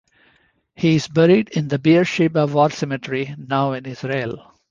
He is buried in the Beersheba War Cemetery, now in Israel.